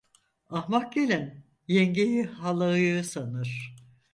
Ahmak gelin yengeyi halayığı sanır.